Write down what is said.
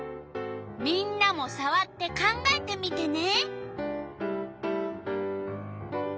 みんなもさわって考えてみてね。